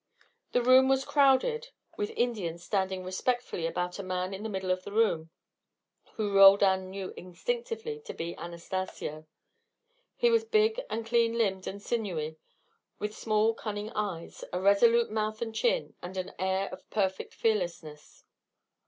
The room was crowded with Indians standing respectfully about a man in the middle of the room, whom Roldan knew instinctively to be Anastacio. He was big and clean limbed and sinewy, with small cunning eyes, a resolute mouth and chin, and an air of perfect fearlessness.